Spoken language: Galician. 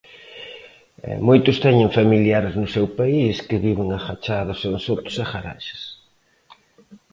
Moitos teñen familiares no seu país que viven agochados en sotos e garaxes.